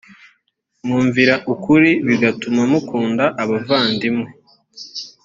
mwumvira ukuri bigatuma mukunda abavandimwe